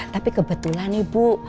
tapi kebetulan nih bu